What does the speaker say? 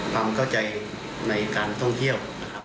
ความเข้าใจในการท่องเที่ยวนะครับ